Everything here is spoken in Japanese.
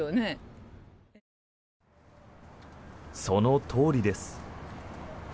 そのとおりです。